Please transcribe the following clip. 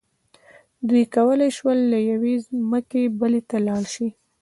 دوی کولی شول له یوې ځمکې بلې ته لاړ شي.